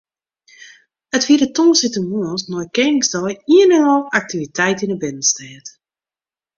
It wie de tongersdeitemoarns nei Keningsdei ien en al aktiviteit yn de binnenstêd.